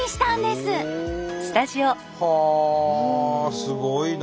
すごいな！